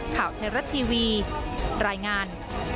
ข่าวไทยรัฐทีวีรายงาน